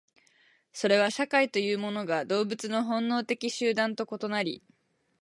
それは社会というものが動物の本能的集団と異なり、